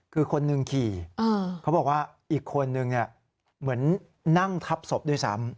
คือคนหนึ่งขี่เขาบอกว่าอีกคนนึงเหมือนนั่งทับศพด้วยซ้ำ